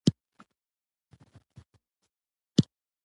ښاغلی لیسټرډ به اکثر زموږ کور ته راتلو.